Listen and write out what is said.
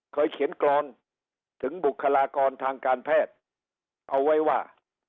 เขียนกรอนถึงบุคลากรทางการแพทย์เอาไว้ว่า